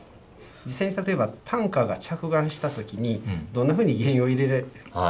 実際に例えばタンカーが着岸した時にどんなふうに原油を入れてるのかとか。